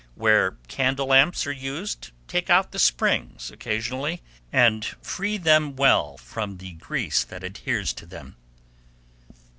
Where candle lamps are used, take out the springs occasionally, and free them well from the grease that adheres to them.